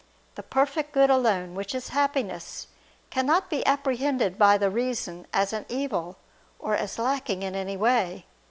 The perfect good alone, which is Happiness, cannot be apprehended by the reason as an evil, or as lacking in any way.